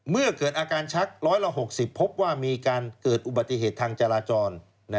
เมื่อเกิดอาการชัก๑๖๐พบว่ามีการเกิดอุบัติเหตุทางจราจร